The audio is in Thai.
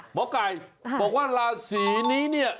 หมอไก่บอกว่าราศีนี้เนี่ย